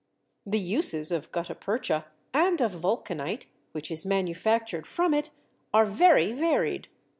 The uses of gutta percha and of vulcanite, which is manufactured from it, are very varied.